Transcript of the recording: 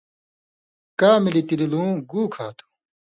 کا ملیۡ تِلیۡ لُوں گُو کھاتُھو۔